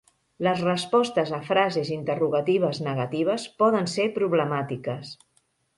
Les respostes a frases interrogatives negatives poden ser problemàtiques.